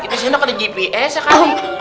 itu saya enggak ada gps ya kan